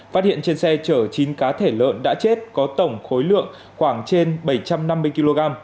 phát hiện trên xe chở chín cá thể lợn đã chết có tổng khối lượng khoảng trên bảy trăm năm mươi kg